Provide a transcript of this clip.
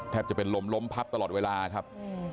จะเป็นลมล้มพับตลอดเวลาครับ